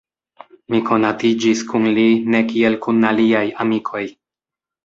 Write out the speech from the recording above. Mi konatiĝis kun li ne kiel kun aliaj amikoj.